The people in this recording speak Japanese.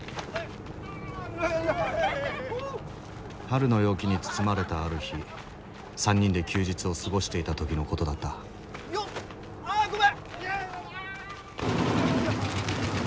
春の陽気に包まれたある日３人で休日を過ごしていた時のことだったああごめん！